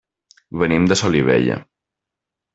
Venim de Solivella.